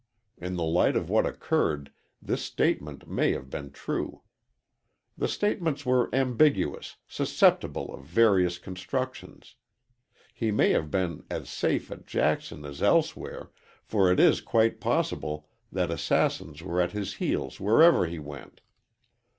In the light of what occurred, this statement may have been true. The statements were ambiguous, susceptible of various constructions. He may have been as safe at Jackson as elsewhere, for it is quite possible that assassins were at his heels wherever he went.